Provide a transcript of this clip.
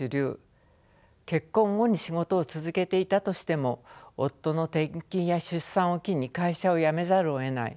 結婚後に仕事を続けていたとしても夫の転勤や出産を機に会社を辞めざるをえない。